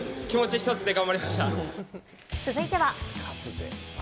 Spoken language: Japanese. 続いては。